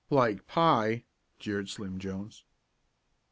"Like pie!" jeered Slim Jones.